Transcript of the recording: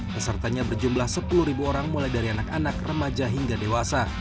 pesertanya berjumlah sepuluh orang mulai dari anak anak remaja hingga dewasa